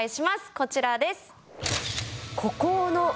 こちらです。